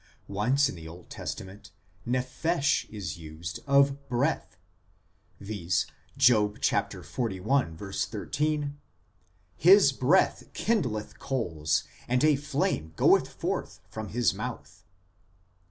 Once in the Old Testament nephesh is used of " breath," viz. Job xli. 13 (E.V. xli. 21) :" His breath kindleth coals, and a flame goeth forth from his mouth."